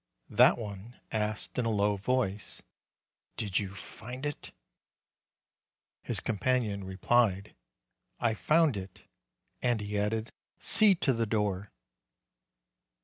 That one asked in a low voice, "Did you find it?" His companion replied, "I found it." And he added, "See to the door."